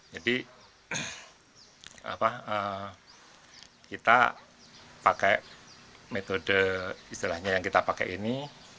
jadi kita pakai metode istilahnya yang kita pakai ini